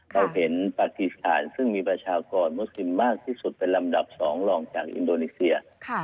เราเห็นปฏิสถานซึ่งมีประชากรมุสลิมมากที่สุดเป็นลำดับ๒รองจากอินโดนีเซีย